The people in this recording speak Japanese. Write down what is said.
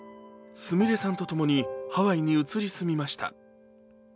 すみれさんとともにハワイに移り住みました。